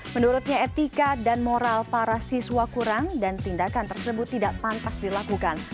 menurutnya etika dan moral para siswa kurang dan tindakan tersebut tidak pantas dilakukan